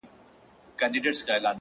كه بې وفا سوې گراني “